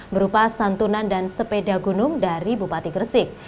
berupa santunan dan sepeda gunung dari bupati gresik